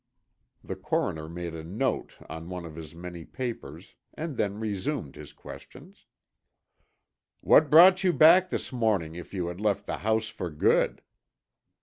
The coroner made a note on one of his many papers and then resumed his questions. "What brought you back this morning if you had left the house for good?"